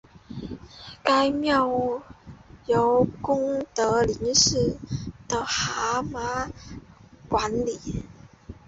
该庙由功德林寺的喇嘛管理。